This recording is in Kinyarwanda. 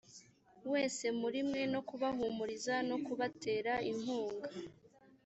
wese muri mwe no kubahumuriza no kubatera inkunga